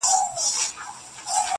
څاڅکي څاڅکي څڅېدلې له انګوره,